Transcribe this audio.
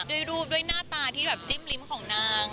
ด้วยรูปด้วยหน้าตาที่แบบจิ้มลิ้มของนาง